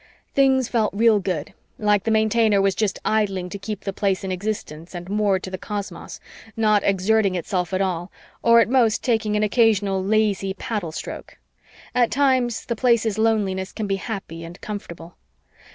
Things felt real good, like the Maintainer was just idling to keep the Place in existence and moored to the cosmos, not exerting itself at all or at most taking an occasional lazy paddle stroke. At times the Place's loneliness can be happy and comfortable.